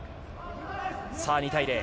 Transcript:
さあ２対０。